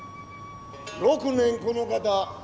６年この方